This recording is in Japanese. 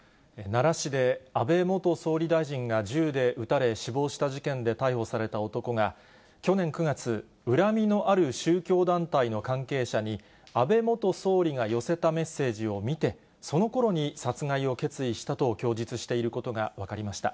奈良市で安倍元総理大臣が銃で撃たれ、死亡した事件で逮捕された男が、去年９月、恨みのある宗教団体の関係者に、安倍元総理が寄せたメッセージを見て、そのころに殺害を決意したと供述していることが分かりました。